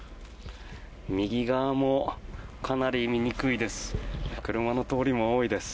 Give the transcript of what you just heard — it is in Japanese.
右側もかなり見にくいです。